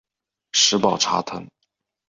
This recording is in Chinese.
石宝茶藤